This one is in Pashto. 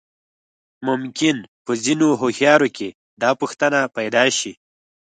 ممکن په ځينې هوښيارو کې دا پوښتنه پيدا شي.